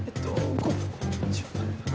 こっち。